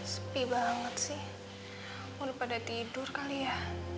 sepi banget sih udah pada tidur kali ya